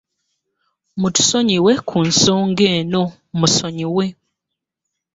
Mutusonyiwe ku nsonga eno, musonyiwe.